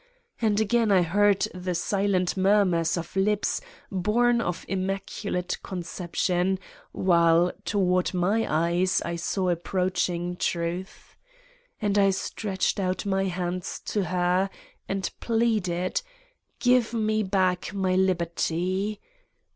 And again I heard the silent murmurs of lips born of Immaculate Conception while toward my eyes I saw approaching Truth. And I stretched out my hands to Her and pleaded: Give me back my liberty